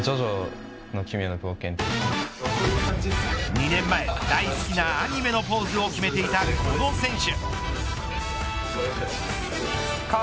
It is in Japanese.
２年前、大好きなアニメのポーズを決めていたこの選手。